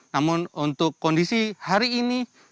namun untuk kondisi hari ini